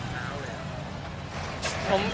ฮะครับ